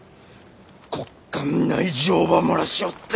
国家ん内情ば漏らしおって！